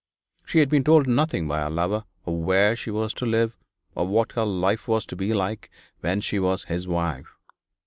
She had been told nothing by her lover of where she was to live, or what her life was to be like when she was his wife.